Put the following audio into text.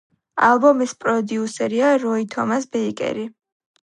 ალბომის პროდიუსერია როი თომას ბეიკერი.